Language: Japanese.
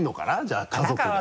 じゃあ家族が。